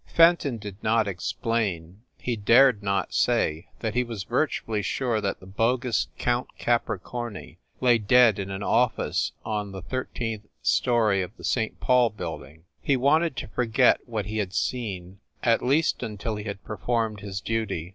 Fenton did not explain; he dared not say that he was virtually sure that the bogus Count Capricorni lay dead in an office on the thirteenth story of the St. Paul building. He wanted to forget what he had seen at least until he had performed his duty.